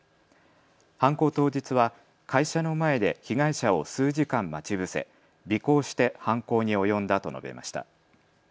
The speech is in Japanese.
犯行当日は会社の前で被害者を数時間、待ち伏せ尾行して犯行に及んだと述べました。